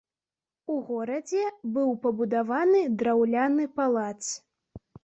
У горадзе быў пабудаваны драўляны палац.